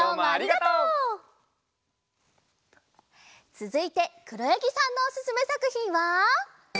つづいてくろやぎさんのおすすめさくひんは？